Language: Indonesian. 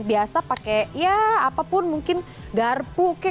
biasa pakai ya apapun mungkin garpu kek